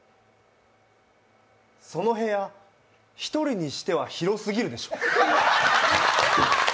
その部屋、１人にしては広すぎるでしょう？